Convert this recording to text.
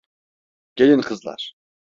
Gelin kızlar.